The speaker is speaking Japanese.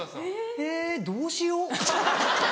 えどうしよ？